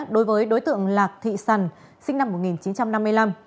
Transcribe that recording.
đối với đối tượng lạc thị sằn sinh năm một nghìn chín trăm năm mươi năm